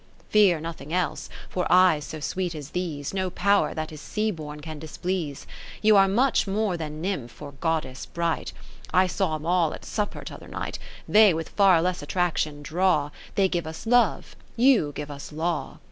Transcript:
5H9 ) Katheri7ie Philips III Fear nothing else^ for eyes so sweet as these, No power that is sea born can dis please ; You are much more than Nymph or Goddess bright ; I saw 'm ^ all at supper t'other night : They with far less attraction draw, TheygiveusLove, yougiveusLaw.